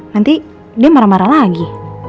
nanti dia marah marah lagi